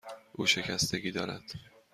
او شکستگی دارد.